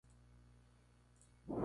Allende se suicidó.